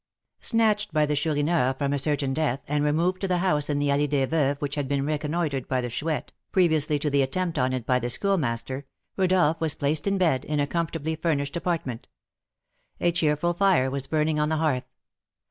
Snatched by the Chourineur from a certain death, and removed to the house in the Allée des Veuves which had been reconnoitred by the Chouette, previously to the attempt on it by the Schoolmaster, Rodolph was placed in bed, in a comfortably furnished apartment; a cheerful fire was burning on the hearth.